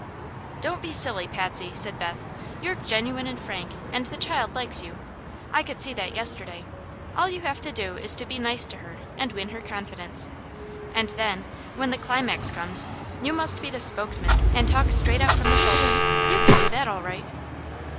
"Don't be silly, Patsy," said Beth. "You're genuine and frank, and the child likes you. I could see that yesterday. All you have to do is to be nice to her and win her confidence; and then, when the climax comes, you must be the spokesman and talk straight out from the shoulder. You can do that all right."